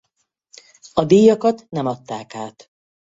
A díjakat nem adták át.